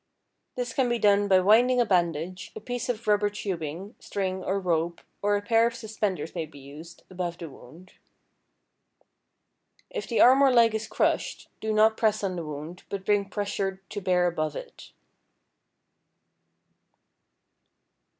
This can be done by winding a bandage, a piece of rubber tubing, string, or rope, or a pair of suspenders may be used, above the wound. If the arm or leg is crushed, do not press on the wound, but bring pressure to bear above it.